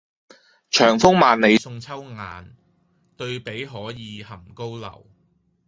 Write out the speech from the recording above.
長風萬里送秋雁，對此可以酣高樓